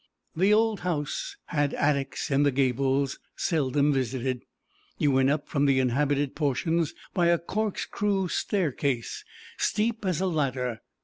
The old house had attics in the gables, seldom visited. You went up from the inhabited portions by a corkscrew staircase, steep as a ladder.